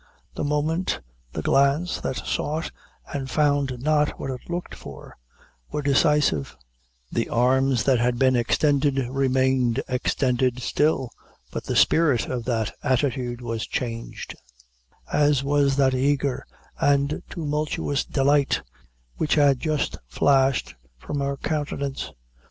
The moment the glance that sought and found not what it looked for were decisive: the arms that had been extended remained extended still, but the spirit of that attitude was changed, as was that eager and tumultuous delight which had just flashed from her countenance.